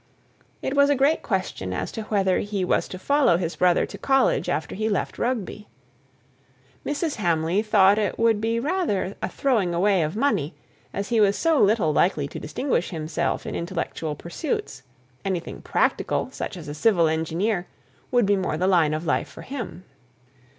It was a great question as to whether he was to follow his brother to college after he left Rugby. Mrs. Hamley thought it would be rather a throwing away of money, as he was so little likely to distinguish himself in intellectual pursuits; anything practical such as a civil engineer would be more the kind of life for him.